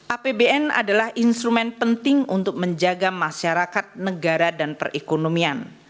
apbn adalah instrumen penting untuk menjaga masyarakat negara dan perekonomian